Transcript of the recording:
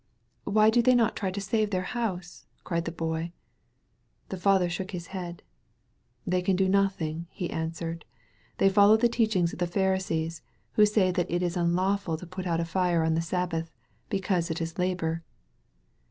"Why do they not try to save their house?" cried the Boy. The father shook his head. Th^ can do nothing," he answered. "They follow the teach ing of the Pharisees, who say that it is unlawful to put out a fire on the Sabbath, because it is a labor."